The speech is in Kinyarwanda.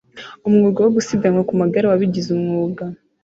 Umwuga wo gusiganwa ku magare wabigize umwuga